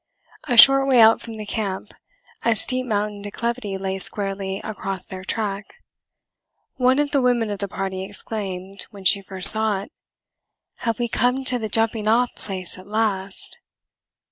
A short way out from the camp, a steep mountain declivity lay squarely across their track. One of the women of the party exclaimed, when she first saw it, "Have we come to the jumping off place at last?"